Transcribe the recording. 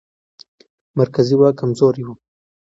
مرکزي واک کمزوری و.